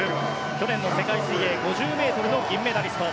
去年の世界水泳５０ｍの銀メダリスト。